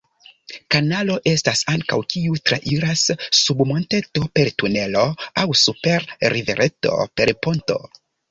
Kanalo estas ankaŭ, kiu trairas sub monteto per tunelo aŭ super rivereto per ponto.